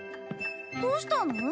どうしたの？